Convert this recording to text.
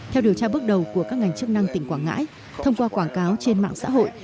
theo điều tra bước đầu của các ngành chức năng tỉnh quảng ngãi thông qua quảng cáo trên mạng xã hội